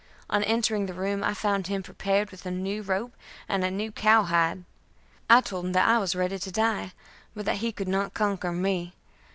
On entering the room I found him prepared with a new rope and a new cowhide. I told him that I was ready to die, but that he could not conquer me.